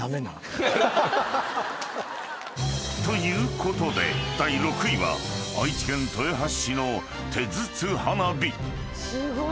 ［ということで第６位は愛知県豊橋市の手筒花火］